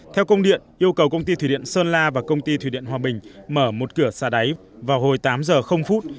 theo công điện yêu cầu công ty thủy điện sơn la và công ty thủy điện hòa bình mở một cửa xả đáy vào hồi tám giờ phút